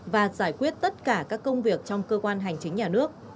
và giải quyết tất cả các công việc trong cơ quan hành chính nhà nước